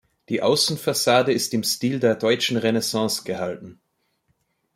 Die Aussenfassade ist im Stil der deutschen Renaissance gehalten.